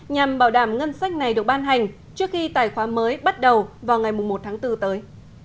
nhằm bảo đảm ngân sách này được ban hành trước khi tài khoá mới bắt đầu vào ngày một tháng bốn tới